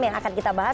yang akan kita bahas